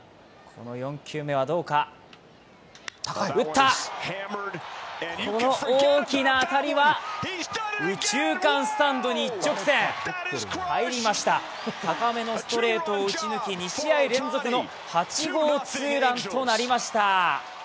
この大きな当たりは右中間スタンドに一直線、入りました、高めのストレートを撃ち抜き２試合連続の８号ツーランとなりました。